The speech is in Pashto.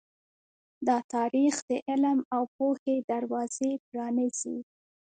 دا تاریخ د علم او پوهې دروازې پرانیزي.